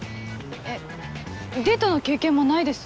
えっデートの経験もないです。